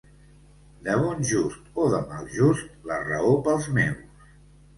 De bon just o de mal just, la raó pels meus.